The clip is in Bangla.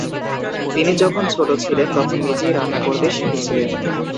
তিনি যখন ছোট ছিলেন তখন নিজেই রান্না করতে শিখেছিলেন।